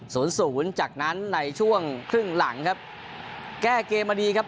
ศูนย์ศูนย์จากนั้นในช่วงครึ่งหลังครับแก้เกมมาดีครับ